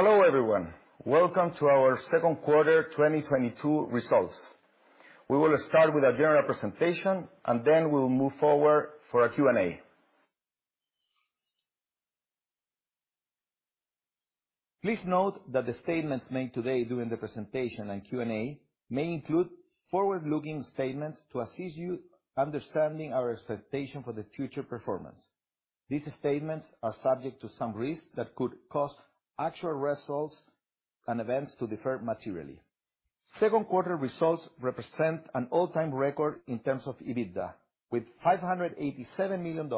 Hello everyone. Welcome to our second quarter 2022 results. We will start with a general presentation, and then we will move forward for our Q&A. Please note that the statements made today during the presentation and Q&A may include forward-looking statements to assist your understanding of our expectations for the future performance. These statements are subject to some risks that could cause actual results and events to differ materially. Second quarter results represent an all-time record in terms of EBITDA, with $587 million.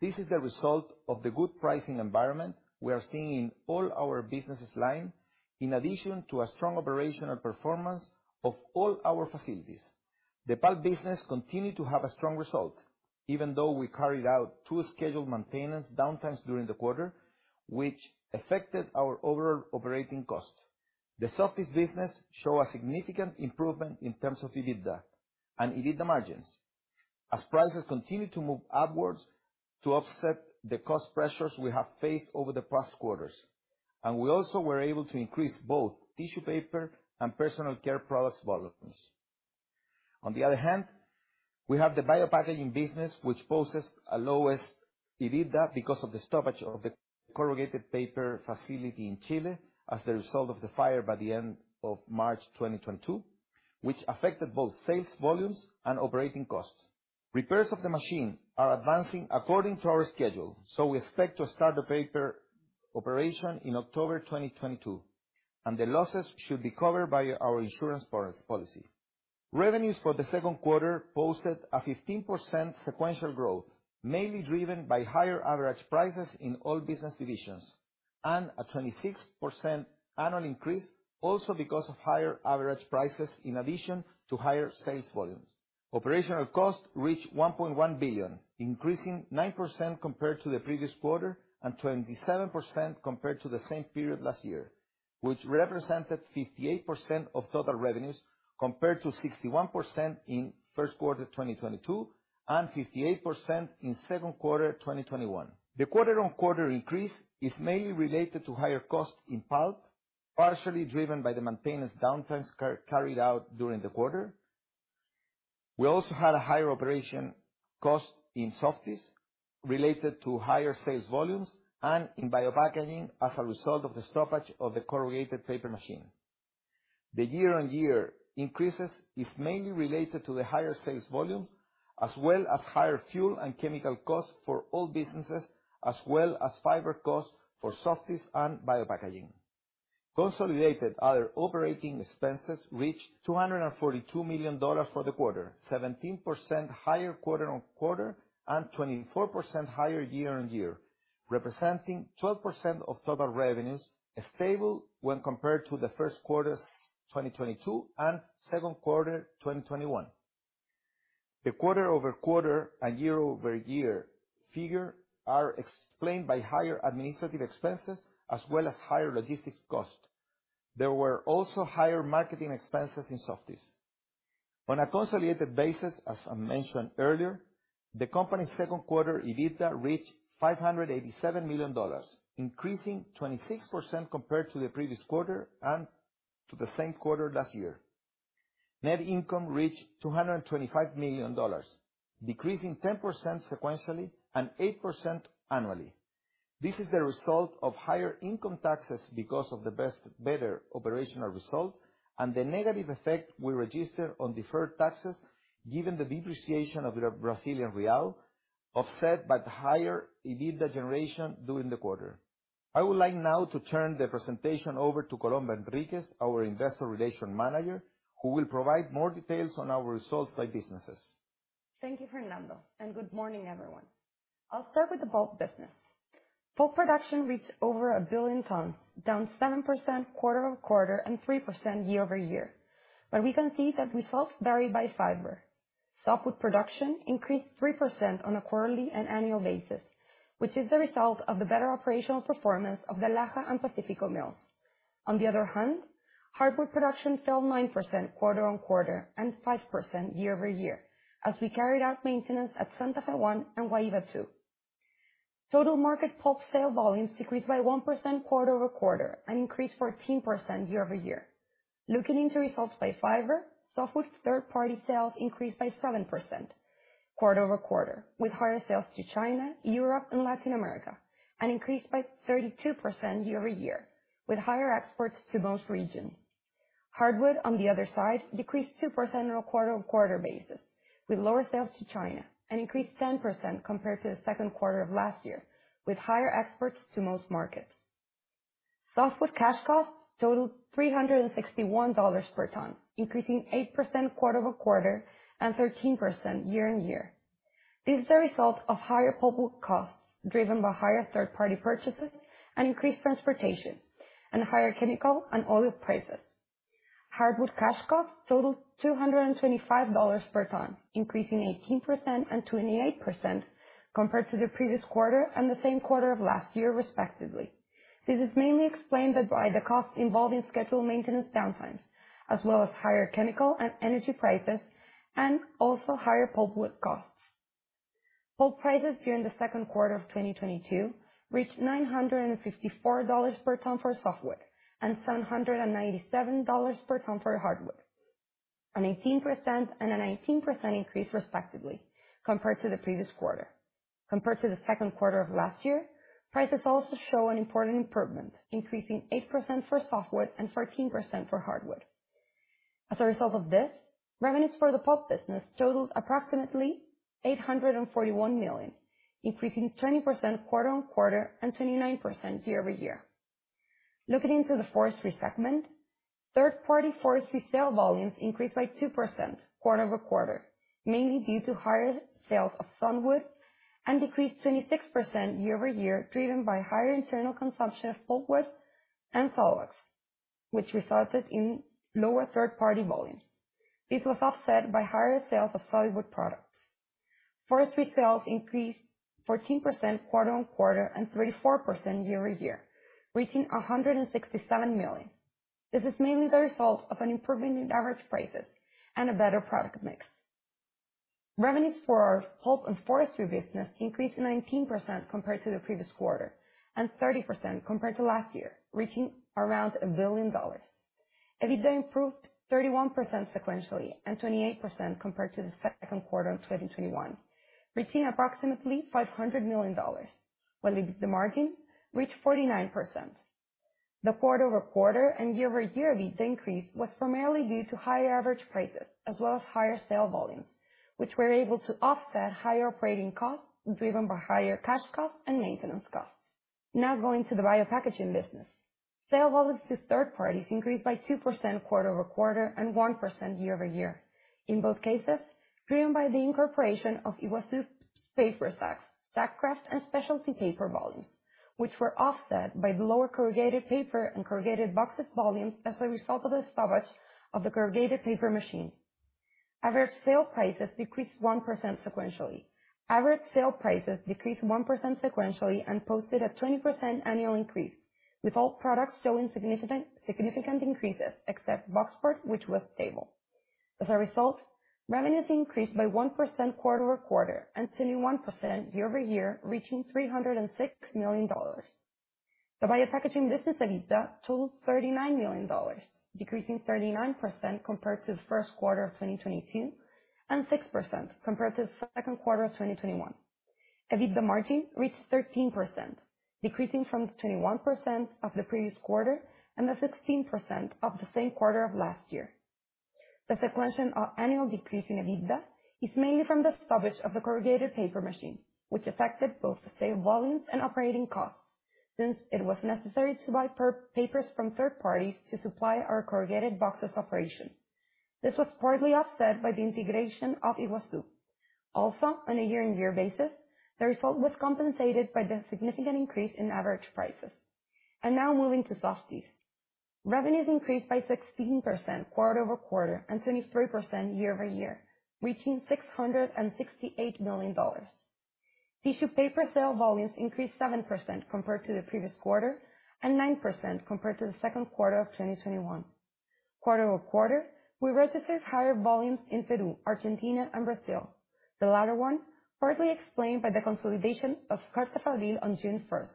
This is the result of the good pricing environment we are seeing in all our business lines, in addition to a strong operational performance of all our facilities. The pulp business continued to have a strong result, even though we carried out two scheduled maintenance downtimes during the quarter, which affected our overall operating costs. The Softys business shows a significant improvement in terms of EBITDA and EBITDA margins, as prices continued to move upwards to offset the cost pressures we have faced over the past quarters, and we also were able to increase both tissue paper and personal care products volumes. On the other hand, we have the Biopackaging business, which posted the lowest EBITDA because of the stoppage of the corrugated paper facility in Chile as the result of the fire by the end of March 2022, which affected both sales volumes and operating costs. Repairs of the machine are advancing according to our schedule, so we expect to start the paper operation in October 2022, and the losses should be covered by our insurance policy. Revenues for the second quarter posted a 15% sequential growth, mainly driven by higher average prices in all business divisions, and a 26% annual increase also because of higher average prices in addition to higher sales volumes. Operational costs reached 1.1 billion, increasing 9% compared to the previous quarter, and 27% compared to the same period last year, which represented 58% of total revenues, compared to 61% in first quarter 2022 and 58% in second quarter 2021. The quarter-on-quarter increase is mainly related to higher costs in pulp, partially driven by the maintenance downtimes carried out during the quarter. We also had a higher operating cost in Softys related to higher sales volumes and in Biopackaging as a result of the stoppage of the corrugated paper machine. The year-on-year increases is mainly related to the higher sales volumes, as well as higher fuel and chemical costs for all businesses, as well as fiber costs for Softys and Biopackaging. Consolidated other operating expenses reached $242 million for the quarter. 17% higher quarter-on-quarter and 24% higher year-on-year, representing 12% of total revenues stable when compared to the first quarter 2022 and second quarter 2021. The quarter-over-quarter and year-over-year figure are explained by higher administrative expenses as well as higher logistics costs. There were also higher marketing expenses in Softys. On a consolidated basis, as I mentioned earlier, the company's second quarter EBITDA reached $587 million, increasing 26% compared to the previous quarter and to the same quarter last year. Net income reached $225 million, decreasing 10% sequentially and 8% annually. This is the result of higher income taxes because of the better operational result and the negative effect we registered on deferred taxes, given the depreciation of the Brazilian real, offset by the higher EBITDA generation during the quarter. I would like now to turn the presentation over to Columba Enríquez, our Investor Relations manager, who will provide more details on our results by businesses. Thank you, Fernando, and good morning, everyone. I'll start with the pulp business. Pulp production reached over 1 billion tons, down 7% quarter-over-quarter and 3% year-over-year. We can see that results vary by fiber. Softwood production increased 3% on a quarterly and annual basis, which is the result of the better operational performance of the Laja and Pacifico mills. On the other hand, hardwood production fell 9% quarter-over-quarter and 5% year-over-year as we carried out maintenance at Santa Fe 1 and Guaíba 2. Total market pulp sale volumes decreased by 1% quarter-over-quarter and increased 14% year-over-year. Looking into results by fiber, softwood third-party sales increased by 7% quarter-over-quarter, with higher sales to China, Europe, and Latin America, and increased by 32% year-over-year with higher exports to most regions. Hardwood, on the other side, decreased 2% on a quarter-over-quarter basis, with lower sales to China, and increased 10% compared to the second quarter of last year, with higher exports to most markets. Softwood cash costs totaled $361 per ton, increasing 8% quarter-over-quarter and 13% year-over-year. This is the result of higher pulpwood costs, driven by higher third-party purchases and increased transportation, and higher chemical and oil prices. Hardwood cash costs totaled $225 per ton, increasing 18% and 28% compared to the previous quarter and the same quarter of last year, respectively. This is mainly explained by the costs involved in scheduled maintenance downtimes, as well as higher chemical and energy prices, and also higher pulpwood costs. Pulp prices during the second quarter of 2022 reached $954 per ton for softwood, and $797 per ton for hardwood. An 18% and a 19% increase respectively compared to the previous quarter. Compared to the second quarter of last year, prices also show an important improvement, increasing 8% for softwood and 14% for hardwood. As a result of this, revenues for the pulp business totaled approximately $841 million, increasing 20% quarter-on-quarter and 29% year-over-year. Looking into the forestry segment, third-party forestry sale volumes increased by 2% quarter-over-quarter, mainly due to higher sales of softwood and decreased 26% year-over-year, driven by higher internal consumption of pulpwood and sawlogs, which resulted in lower third-party volumes. This was offset by higher sales of solid wood products. Forestry sales increased 14% quarter-over-quarter and 34% year-over-year, reaching $167 million. This is mainly the result of an improvement in average prices and a better product mix. Revenues for our pulp and forestry business increased 19% compared to the previous quarter, and 30% compared to last year, reaching around $1 billion. EBITDA improved 31% sequentially and 28% compared to the second quarter of 2021, reaching approximately $500 million. While the margin reached 49%. The quarter-over-quarter and year-over-year EBITDA increase was primarily due to higher average prices as well as higher sale volumes, which were able to offset higher operating costs driven by higher cash costs and maintenance costs. Now going to the Biopackaging business. Sales volumes to third parties increased by 2% quarter-over-quarter and 1% year-over-year. In both cases, driven by the incorporation of Iguaçu's paper sacks, Sack Kraft and specialty paper volumes, which were offset by the lower corrugated paper and corrugated boxes volumes as a result of the stoppage of the corrugated paper machine. Average sale prices decreased 1% sequentially. Average sale prices decreased 1% sequentially and posted a 20% annual increase, with all products showing significant increases except boxboard, which was stable. As a result, revenues increased by 1% quarter-over-quarter and 21% year-over-year, reaching $306 million. The Biopackaging business EBITDA totaled $39 million, decreasing 39% compared to the first quarter of 2022, and 6% compared to the second quarter of 2021. EBITDA margin reached 13%, decreasing from the 21% of the previous quarter and the 16% of the same quarter of last year. The sequential annual decrease in EBITDA is mainly from the stoppage of the corrugated paper machine, which affected both sales volumes and operating costs since it was necessary to buy papers from third parties to supply our corrugated boxes operation. This was partly offset by the integration of Iguaçu. Also, on a year-on-year basis, the result was compensated by the significant increase in average prices. Now moving to Softys. Revenues increased by 16% quarter-over-quarter and 23% year-over-year, reaching $668 million. Tissue paper sale volumes increased 7% compared to the previous quarter and 9% compared to the second quarter of 2021. Quarter-over-quarter, we registered higher volumes in Peru, Argentina and Brazil. The latter one partly explained by the consolidation of Carta Fabril on June 1st.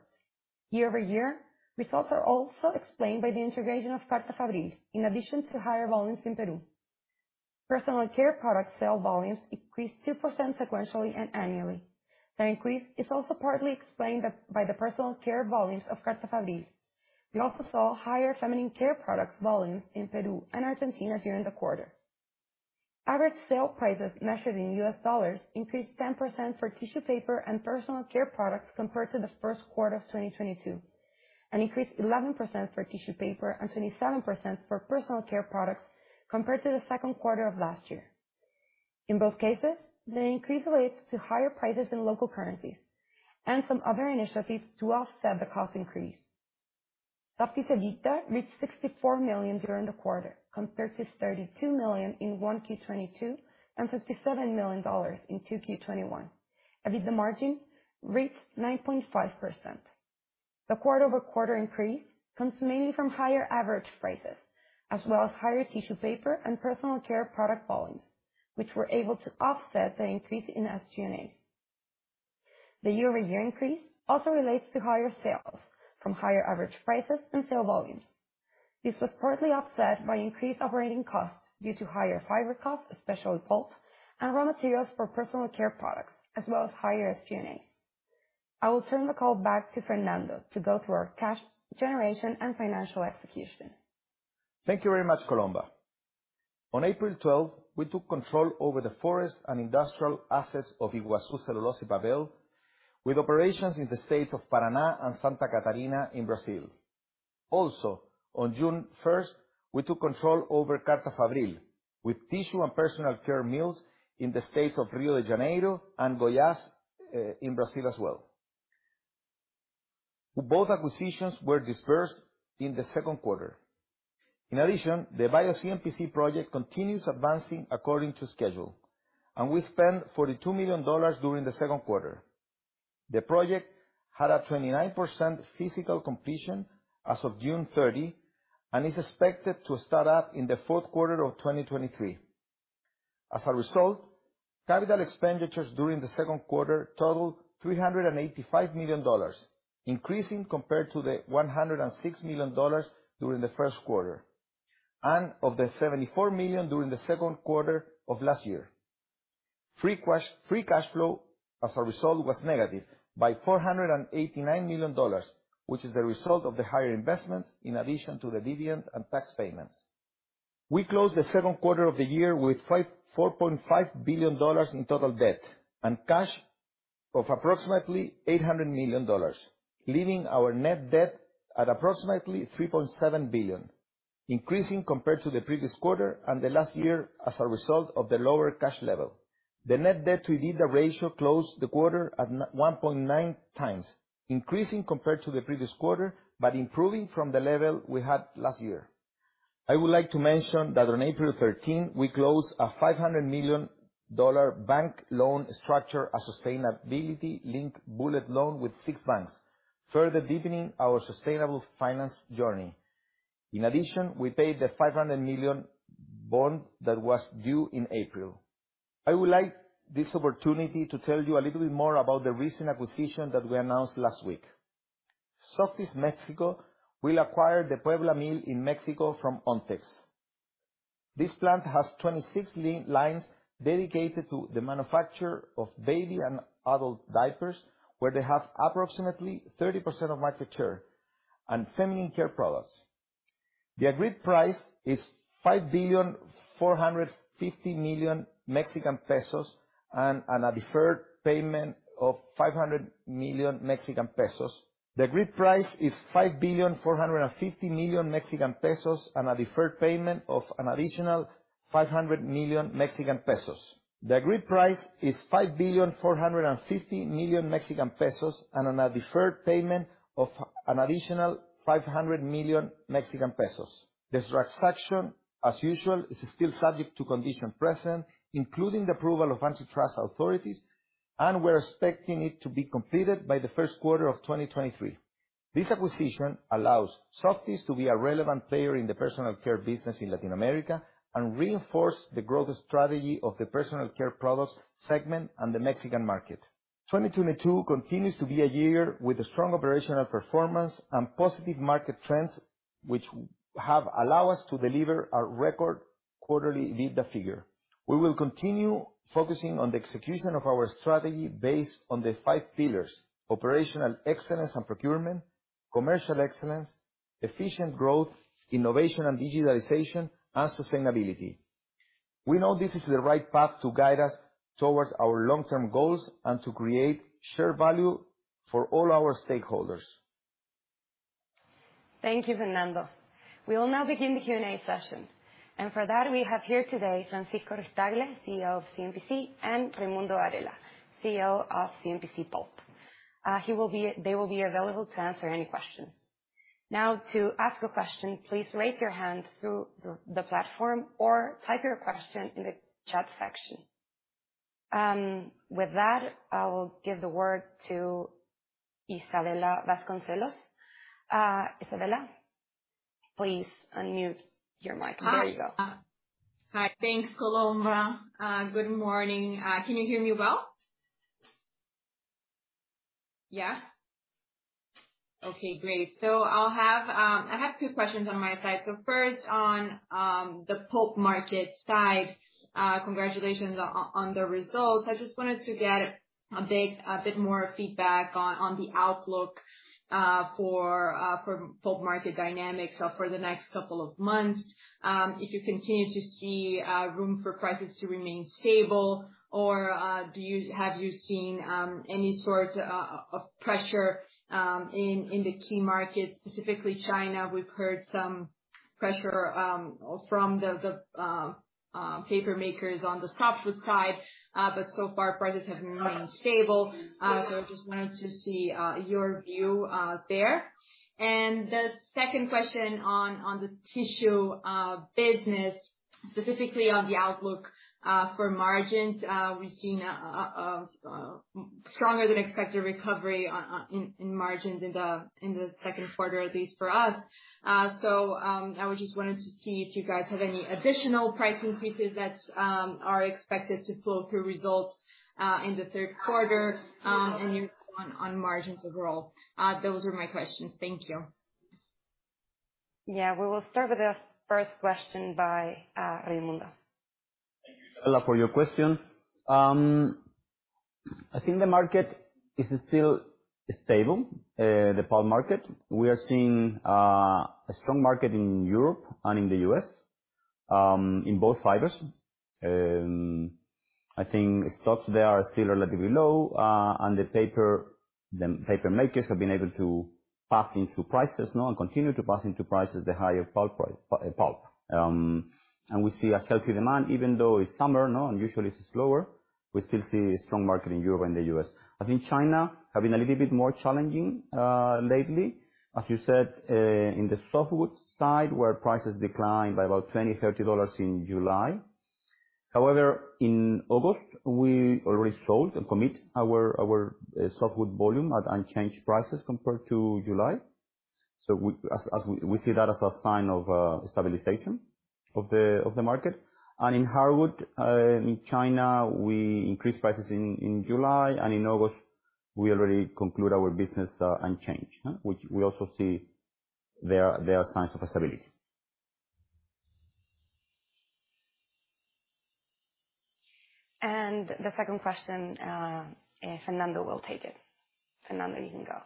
Year-over-year, results are also explained by the integration of Carta Fabril in addition to higher volumes in Peru. Personal care products sale volumes increased 2% sequentially and annually. The increase is also partly explained by the personal care volumes of Carta Fabril. We also saw higher feminine care products volumes in Peru and Argentina during the quarter. Average sale prices measured in US dollars increased 10% for tissue paper and personal care products compared to the first quarter of 2022, and increased 11% for tissue paper and 27% for personal care products compared to the second quarter of last year. In both cases, the increase relates to higher prices in local currencies and some other initiatives to offset the cost increase. Softys EBITDA reached $64 million during the quarter, compared to $32 million in 1Q 2022 and $57 million in 2Q 2021. EBITDA margin reached 9.5%. The quarter-over-quarter increase comes mainly from higher average prices as well as higher tissue paper and personal care product volumes, which were able to offset the increase in SG&A. The year-over-year increase also relates to higher sales from higher average prices and sale volumes. This was partly offset by increased operating costs due to higher fiber costs, especially pulp and raw materials for personal care products, as well as higher SG&A. I will turn the call back to Fernando to go through our cash generation and financial execution. Thank you very much, Columba. On April 12th, we took control over the forest and industrial assets of Iguaçu Celulose e Papel, with operations in the states of Paraná and Santa Catarina in Brazil. On June 1st, we took control over Carta Fabril, with tissue and personal care mills in the states of Rio de Janeiro and Goiás in Brazil as well. Both acquisitions were dispersed in the second quarter. In addition, the BioCMPC project continues advancing according to schedule, and we spent $42 million during the second quarter. The project had a 29% physical completion as of June 30, and is expected to start up in the fourth quarter of 2023. As a result, capital expenditures during the second quarter totaled $385 million, increasing compared to the $106 million during the first quarter, and of the $74 million during the second quarter of last year. Free cash flow as a result was negative by $489 million, which is the result of the higher investments in addition to the dividend and tax payments. We closed the second quarter of the year with $4.5 billion in total debt and cash of approximately $800 million, leaving our net debt at approximately $3.7 billion, increasing compared to the previous quarter and the last year as a result of the lower cash level. The net debt to EBITDA ratio closed the quarter at 9.1 times, increasing compared to the previous quarter, but improving from the level we had last year. I would like to mention that on April 13, we closed a $500 million bank loan structure, a sustainability-linked bullet loan with six banks, further deepening our sustainable finance journey. In addition, we paid the $500 million bond that was due in April. I would like this opportunity to tell you a little bit more about the recent acquisition that we announced last week. Softys Mexico will acquire the Puebla mill in Mexico from Ontex. This plant has 26 lines dedicated to the manufacture of baby and adult diapers, where they have approximately 30% of market share and feminine care products. The agreed price is 5.45 billion and a deferred payment of an additional 500 million Mexican pesos. This transaction, as usual, is still subject to condition precedent, including the approval of antitrust authorities, and we're expecting it to be completed by the first quarter of 2023. This acquisition allows Softys to be a relevant player in the personal care business in Latin America, and reinforce the growth strategy of the personal care products segment and the Mexican market. 2022 continues to be a year with a strong operational performance and positive market trends, which have allowed us to deliver a record quarterly EBITDA figure. We will continue focusing on the execution of our strategy based on the five pillars, operational excellence and procurement, commercial excellence, efficient growth, innovation and digitalization, and sustainability. We know this is the right path to guide us towards our long-term goals and to create shared value for all our stakeholders. Thank you, Fernando. We will now begin the Q&A session. For that, we have here today Francisco Ruiz-Tagle, CEO of CMPC, and Raimundo Varela, CEO of CMPC Pulp. They will be available to answer any questions. Now, to ask a question, please raise your hand through the platform or type your question in the chat section. With that, I will give the word to Isabella Vasconcelos. Isabella, please unmute your mic. There you go. Hi. Hi. Thanks, Columba. Good morning. Can you hear me well? Yes? Okay, great. I have two questions on my side. First on the pulp market side, congratulations on the results. I just wanted to get a bit more feedback on the outlook for pulp market dynamics for the next couple of months. If you continue to see room for prices to remain stable or have you seen any sort of pressure in the key markets, specifically China? We've heard some pressure from the paper makers on the softwood side. So far prices have remained stable. Just wanted to see your view there. The second question on the tissue business, specifically on the outlook for margins. We've seen a stronger than expected recovery in margins in the second quarter, at least for us. I just wanted to see if you guys have any additional price increases that are expected to flow through results in the third quarter, and your view on margins overall. Those are my questions. Thank you. Yeah. We will start with the first question by Raimundo. Thank you, Isabella, for your question. I think the market is still stable, the pulp market. We are seeing a strong market in Europe and in the U.S., in both fibers. I think stocks there are still relatively low, and the paper makers have been able to pass into prices and continue to pass into prices the higher pulp. We see a healthy demand, even though it's summer and usually it's slower. We still see a strong market in Europe and the U.S. I think China has been a little bit more challenging lately. As you said, in the softwood side, where prices declined by about $20-$30 in July. However, in August, we already sold and committed our softwood volume at unchanged prices compared to July. We see that as a sign of stabilization of the market. In hardwood, in China, we increased prices in July, and in August we already concluded our business unchanged, which we also see there are signs of stability. The second question, Fernando will take it. Fernando, you can go.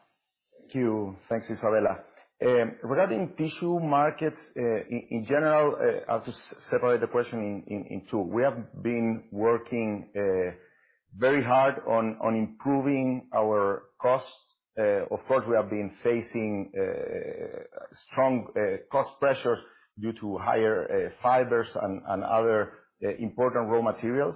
Thank you. Thanks, Isabella. Regarding tissue markets, in general, I'll just separate the question in two. We have been working very hard on improving our costs. Of course, we have been facing strong cost pressures due to higher fibers and other important raw materials.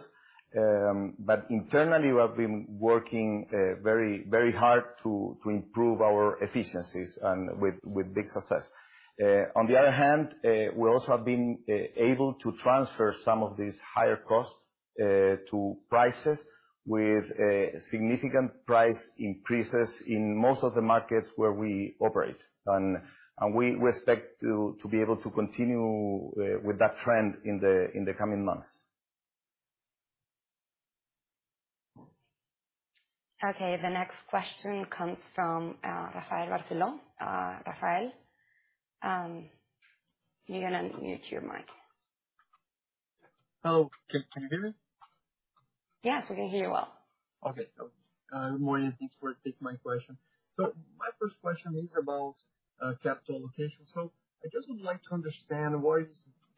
But internally, we have been working very hard to improve our efficiencies and with big success. On the other hand, we also have been able to transfer some of these higher costs to prices with significant price increases in most of the markets where we operate. We expect to be able to continue with that trend in the coming months. Okay. The next question comes from, Rafael Barcellos. Rafael, you're gonna unmute your mic. Oh, okay. Can you hear me? Yes, we can hear you well. Good morning. Thanks for taking my question. My first question is about capital allocation. I just would like to understand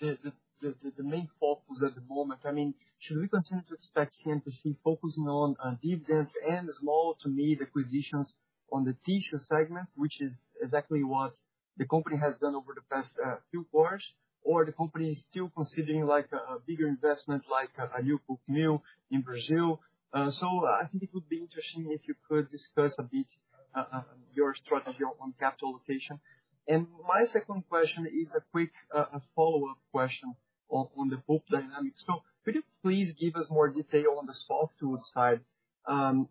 what is the main focus at the moment. I mean, should we continue to expect CMPC focusing on dividends and small to medium acquisitions on the tissue segment, which is exactly what the company has done over the past few quarters? Or the company is still considering like a bigger investment, like a new pulp mill in Brazil. I think it would be interesting if you could discuss a bit your strategy on capital allocation. My second question is a quick follow-up question on the pulp dynamics. Could you please give us more detail on the softwood side?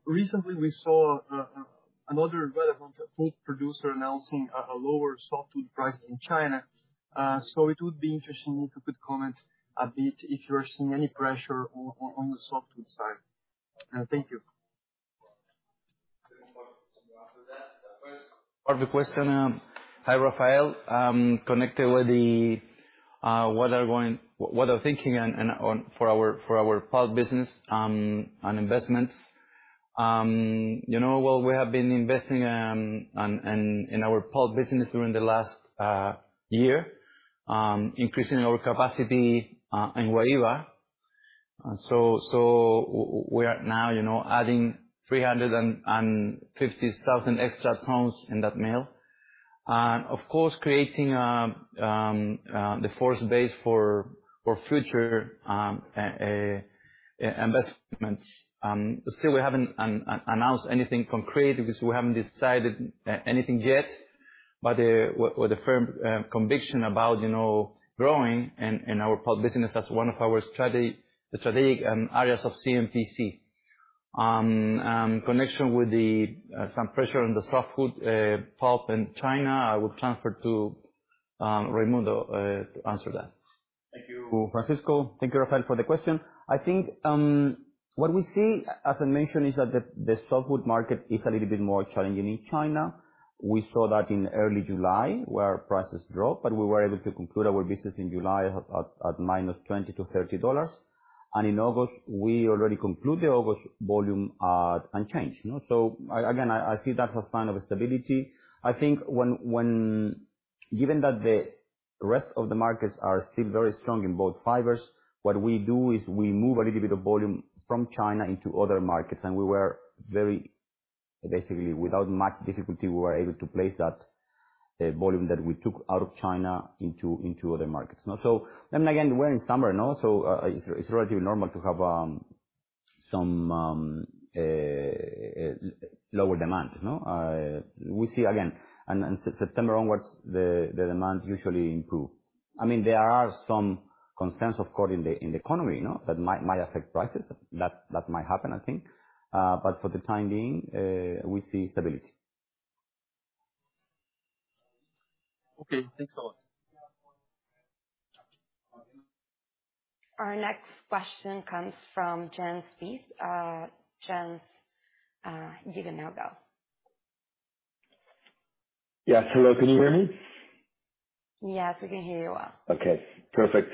Recently we saw another relevant pulp producer announcing a lower softwood price in China. It would be interesting if you could comment a bit if you are seeing any pressure on the softwood side. Thank you. Part of the question, hi, Rafael, connected with what you are thinking on for our pulp business on investments. You know, well, we have been investing on and in our pulp business during the last year, increasing our capacity in Guaíba. We are now adding 350,000 extra tons in that mill. And of course, creating the firm base for future investments. Still, we haven't announced anything concrete because we haven't decided anything yet. But with the firm conviction about growing in our pulp business as one of our strategic areas of CMPC. In connection with some pressure on the softwood pulp in China, I will transfer to Raimundo to answer that. Thank you. Thank you, Rafael, for the question. I think what we see, as I mentioned, is that the softwood market is a little bit more challenging in China. We saw that in early July where prices dropped, but we were able to conclude our business in July at -$20 to -$30. In August, we already concluded August volume at unchanged. You know, so again, I see that as a sign of stability. I think, given that the rest of the markets are still very strong in both fibers, what we do is we move a little bit of volume from China into other markets, and basically, without much difficulty, we were able to place that volume that we took out of China into other markets. You know, we're in summer, you know, so it's relatively normal to have some lower demand, you know. We see again. In September onwards, the demand usually improves. I mean, there are some concerns, of course, in the economy, you know, that might affect prices. That might happen, I think. For the time being, we see stability. Okay. Thanks a lot. Our next question comes from Jens Spiess. Jens, you can now go. Yes. Hello. Can you hear me? Yes, we can hear you well. Okay, perfect.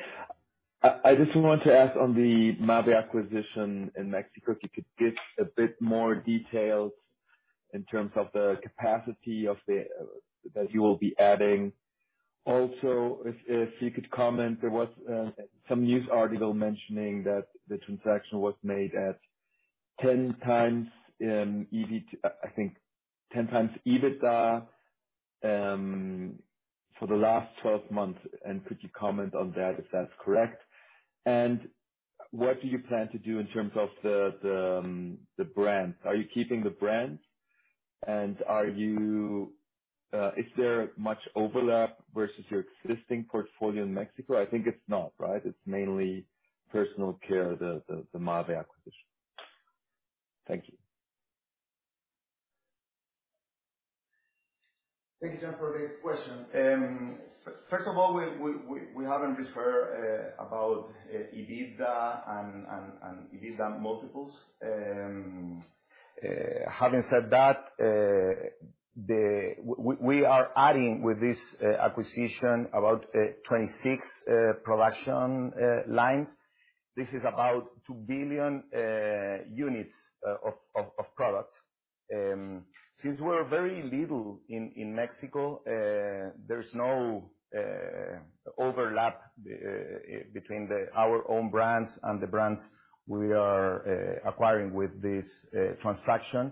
I just want to ask on the Mabe acquisition in Mexico, if you could give a bit more details in terms of the capacity that you will be adding. Also, if you could comment, there was some news article mentioning that the transaction was made at 10 times EBITDA. I think 10 times EBITDA for the last 12 months. Could you comment on that if that's correct? What do you plan to do in terms of the brand? Are you keeping the brand? Is there much overlap versus your existing portfolio in Mexico? I think it's not, right? It's mainly personal care, the Ontex acquisition. Thank you. Thank you, Jens, for the question. First of all, we haven't disclosed about EBITDA and EBITDA multiples. Having said that, we are adding with this acquisition about 26 production lines. This is about 2 billion units of product. Since we're very little in Mexico, there's no overlap between our own brands and the brands we are acquiring with this transaction,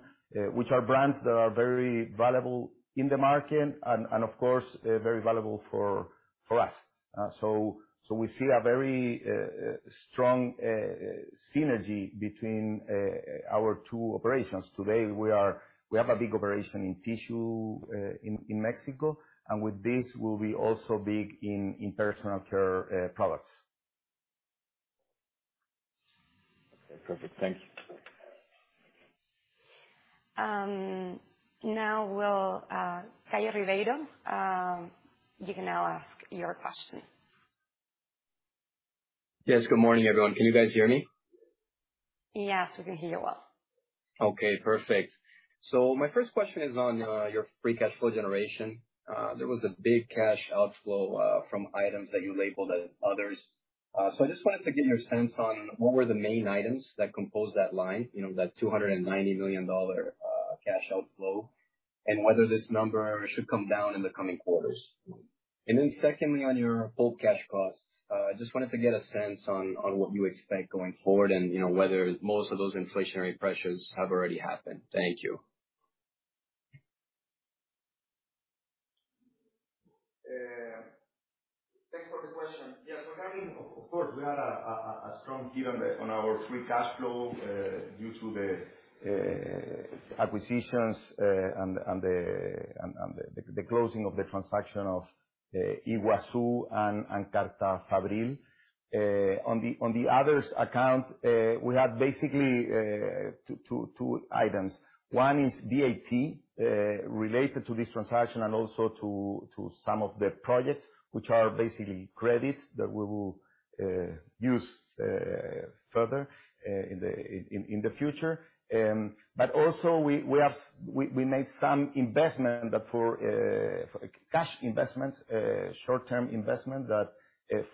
which are brands that are very valuable in the market and of course very valuable for us. We see a very strong synergy between our two operations. Today, we have a big operation in tissue, in Mexico, and with this we'll be also big in personal care products. Okay. Perfect. Thank you. Now we'll, Caio Ribeiro, you can now ask your question. Yes, good morning, everyone. Can you guys hear me? Yes, we can hear you well. Okay, perfect. My first question is on your free cash flow generation. There was a big cash outflow from items that you labeled as others. I just wanted to get your sense on what were the main items that compose that line, you know, that $290 million cash outflow, and whether this number should come down in the coming quarters. Then secondly, on your pulp cash costs, I just wanted to get a sense on what you expect going forward and, you know, whether most of those inflationary pressures have already happened. Thank you. Thanks for the question. Yeah, regarding. Of course, we had a strong hit on our free cash flow due to the acquisitions and the closing of the transaction of Iguaçu and Carta Fabril. On the other account, we had basically two items. One is VAT related to this transaction and also to some of the projects, which are basically credits that we will use further in the future. But also we made some investment for cash investments, short-term investment that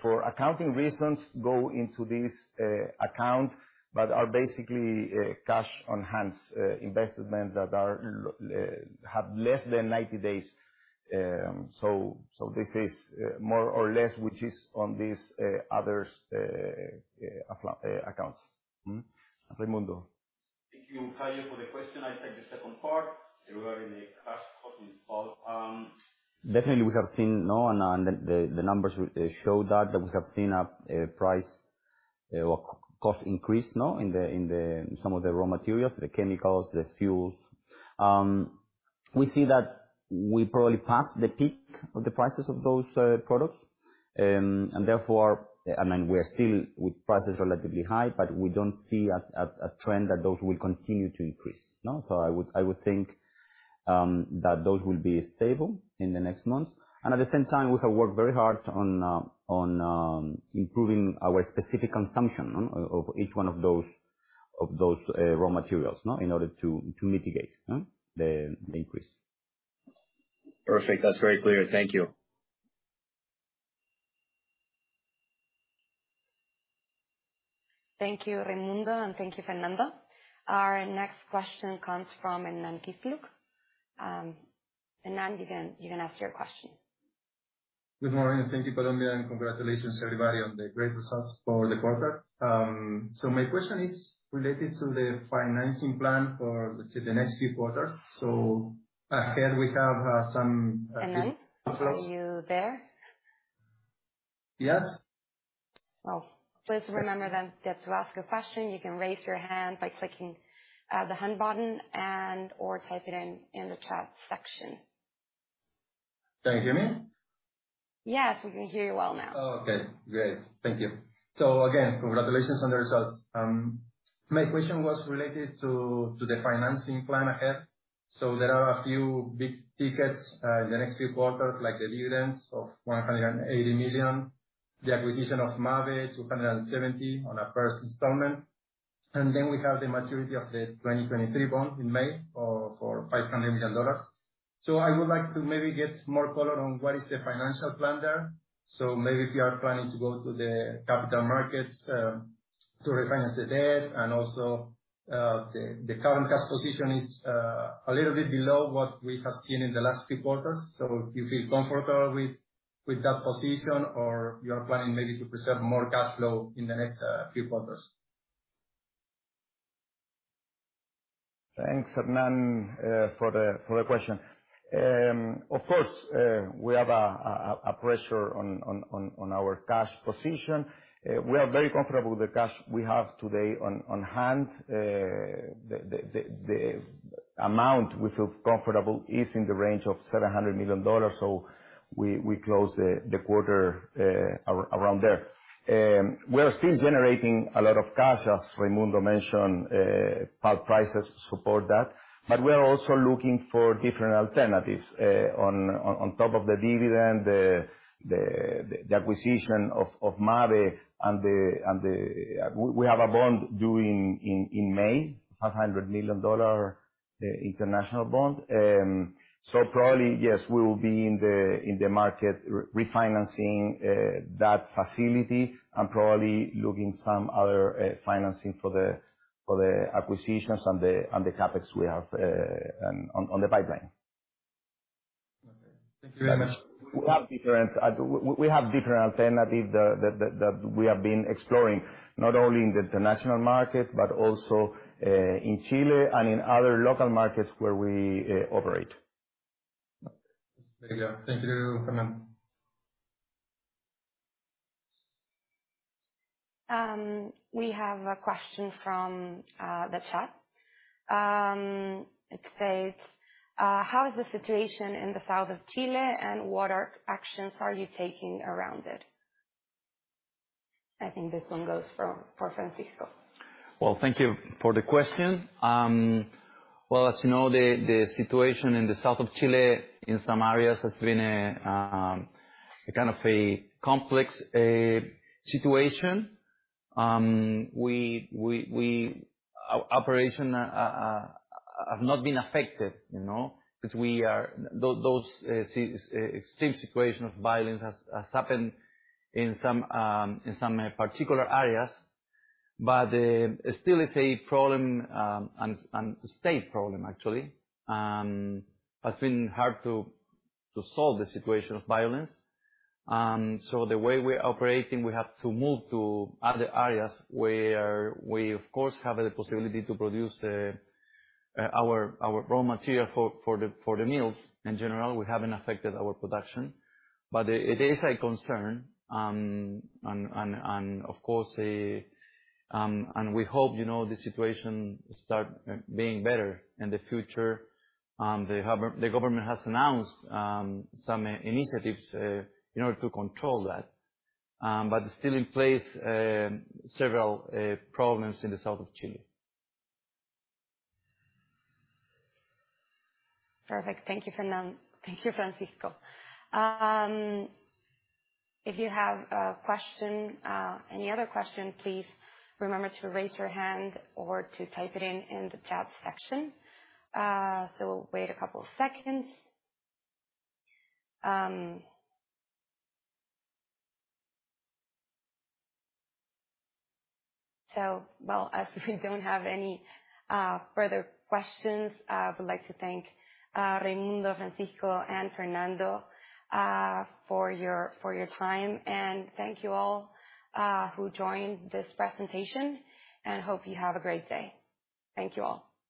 for accounting reasons go into this account, but are basically cash on hand investment that have less than 90 days. This is more or less which is on this others accounts. Raimundo. Thank you, Caio, for the question. I take the second part regarding the cash costs involved. Definitely, the numbers show that we have seen a price or cost increase in some of the raw materials, the chemicals, the fuels. We see that we probably passed the peak of the prices of those products. I mean, we are still with prices relatively high, but we don't see a trend that those will continue to increase, no? I would think that those will be stable in the next months. At the same time, we have worked very hard on improving our specific consumption of each one of those raw materials in order to mitigate the increase. Perfect. That's very clear. Thank you. Thank you, Raimundo, and thank you, Fernando. Our next question comes from Hernan Kaznowski. Hernán, you can ask your question. Good morning. Thank you, Columba, and congratulations everybody on the great results for the quarter. My question is related to the financing plan for let's say the next few quarters. Ahead we have, some- Hernan, are you there? Yes. Well, please remember then that to ask a question, you can raise your hand by clicking the hand button and/or type it in the chat section. Can you hear me? Yes, we can hear you well now. Oh, okay. Great. Thank you. Again, congratulations on the results. My question was related to the financing plan ahead. There are a few big tickets in the next few quarters, like the dividends of 180 million, the acquisition of Mave, 270 million on a first installment, and then we have the maturity of the 2023 bond in May for $500 million. I would like to maybe get more color on what is the financial plan there. Maybe if you are planning to go to the capital markets to refinance the debt and also the current cash position is a little bit below what we have seen in the last few quarters. You feel comfortable with that position, or you are planning maybe to preserve more cash flow in the next few quarters? Thanks, Hernan, for the question. Of course, we have a pressure on our cash position. We are very comfortable with the cash we have today on hand. The amount we feel comfortable is in the range of $700 million, so we closed the quarter around there. We are still generating a lot of cash, as Raimundo mentioned. Pulp prices support that. We are also looking for different alternatives on top of the dividend, the acquisition of Mabe. We have a bond due in May, a $100 million international bond. Probably, yes, we will be in the market refinancing that facility and probably looking some other financing for the acquisitions on the CapEx we have on the pipeline. Okay. Thank you very much. We have different alternatives that we have been exploring, not only in the international market, but also in Chile and in other local markets where we operate. There you go. Thank you, Fernando. We have a question from the chat. It says, how is the situation in the south of Chile, and what actions are you taking around it? I think this one goes for Francisco. Well, thank you for the question. Well, as you know, the situation in the south of Chile in some areas has been kind of a complex situation. Our operations have not been affected, you know, because those extreme situations of violence have happened in some particular areas. Still, it's a problem and a state problem, actually. It has been hard to solve the situation of violence. The way we're operating, we have to move to other areas where we of course have the possibility to produce our raw material for the mills. In general, it hasn't affected our production. It is a concern, and of course. We hope, you know, the situation start being better in the future. The government has announced some initiatives in order to control that. Still in place several problems in the south of Chile. Perfect. Thank you, Francisco. If you have a question, any other question, please remember to raise your hand or to type it in the chat section. We'll wait a couple of seconds. Well, as we don't have any further questions, I would like to thank Raimundo, Francisco, and Fernando for your time. Thank you all who joined this presentation, and hope you have a great day. Thank you all.